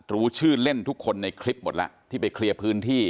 รู้ชื่อเล่นทุกคนในคลิปหมดแล้วที่ไปเคลียร์พื้นที่